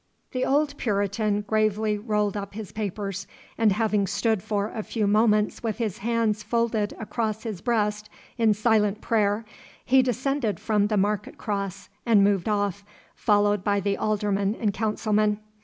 The old Puritan gravely rolled up his papers, and having stood for a few moments with his hands folded across his breast in silent prayer, he descended from the market cross, and moved off, followed by the aldermen and councilmen.